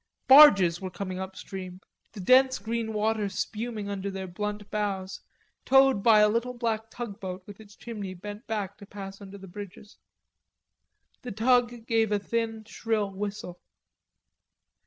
Barges were coming upstream, the dense green water spuming under their blunt bows, towed by a little black tugboat with its chimney bent back to pass under the bridges. The tug gave a thin shrill whistle.